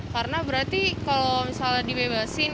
karena berarti kalau misalnya dibebaskan